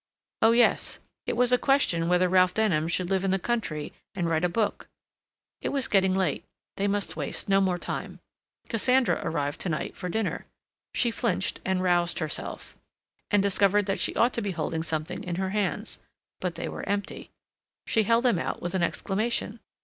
Oh yes—it was a question whether Ralph Denham should live in the country and write a book; it was getting late; they must waste no more time; Cassandra arrived to night for dinner; she flinched and roused herself, and discovered that she ought to be holding something in her hands. But they were empty. She held them out with an exclamation.